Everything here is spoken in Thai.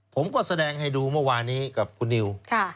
ผมก็แสดงให้ดูเมื่อวานนี้กับคุณนิว